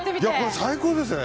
最高ですね。